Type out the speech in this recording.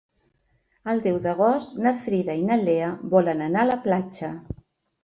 El deu d'agost na Frida i na Lea volen anar a la platja.